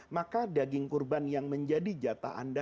maka daging kurban yang menjadi jatah anda